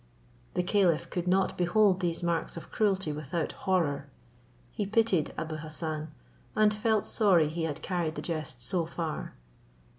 The caliph could not behold these marks of cruelty without horror. He pitied Abou Hassan, and felt sorry he had carried the jest so far.